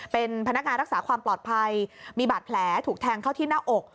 เป็นพนักงานรักษาความปลอดภัยมีบาดแผลถูกแทงเข้าที่หน้าอก